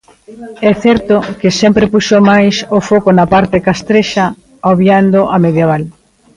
É certo que sempre puxo máis o foco na parte castrexa, obviando a medieval.